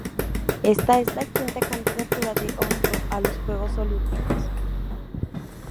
Esta es la quinta candidatura de Oslo a los Juegos Olímpicos.